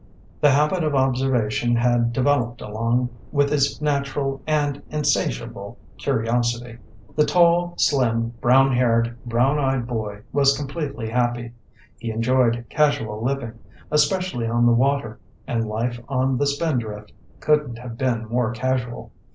The habit of observation had developed along with his natural and insatiable curiosity. The tall, slim, brown haired, brown eyed boy was completely happy. He enjoyed casual living, especially on the water, and life on the Spindrift couldn't have been more casual.